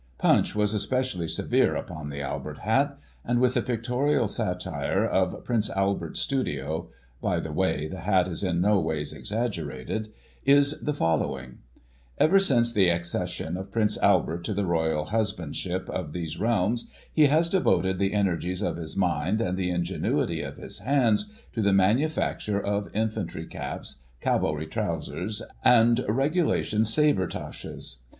Tunch was especially severe upon the Albert hat — ^and with the pictorial satire of " Prince Albert's Studio " (by the way the hat is in no ways exaggerated), is the following :" Ever since the accession of Prince Albert to the Royal Husband ship of these realms, he has devoted the energies of his mind, and the ingenuity of his hands to the manufacture of Infantry caps. Cavalry trousers, and Regulation sabretaches.